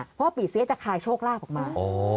เพราะว่าปีเสียจะคายโชคลาภออกมา